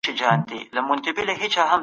دانش او تجربې د علم د پوهه مهمه برخه دي.